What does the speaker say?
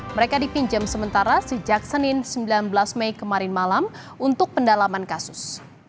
mereka dipinjam sementara sejak senin sembilan belas mei kemarin malam untuk pendalaman kasus